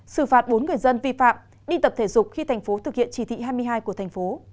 xử phạt bốn người dân vi phạm đi tập thể dục khi thành phố thực hiện chỉ thị hai mươi hai của thành phố